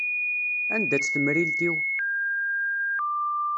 Anda-tt temrilt-iw?